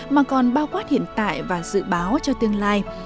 mà còn bao quát hiện tại và dự báo cho tương lai